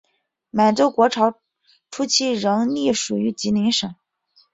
满洲国初期仍隶属吉林省。